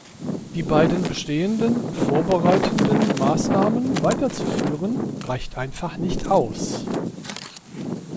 Die beiden bestehenden vorbereitenden Maßnahmen weiterzuführen, reicht einfach nicht aus.